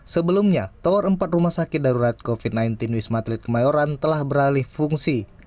sebelumnya tower empat rumah sakit darurat covid sembilan belas wisma atlet kemayoran telah beralih fungsi